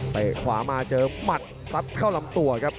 ขวามาเจอหมัดซัดเข้าลำตัวครับ